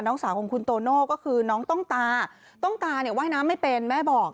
สาวของคุณโตโน่ก็คือน้องต้องตาต้องตาเนี่ยว่ายน้ำไม่เป็นแม่บอก